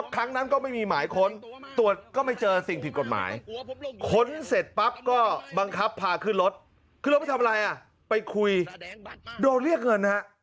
ครั้งนั้นก็ไม่มีหมายค้นตรวจก็ไม่เจอสิ่งผิดกฎหมายค้นเสร็จปั๊บก็บังคับพาขึ้นรถขึ้นรถไปทำอะไรอ่ะไปคุยโดนเรียกเงินฮะ